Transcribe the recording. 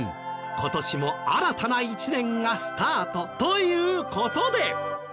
今年も新たな１年がスタートという事で。